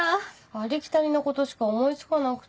ありきたりのことしか思いつかなくて。